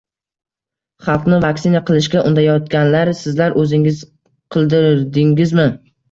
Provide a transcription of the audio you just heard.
Xalqni vaksina qilishga undayotganlar sizlar oʻzingiz qildirdingizmi?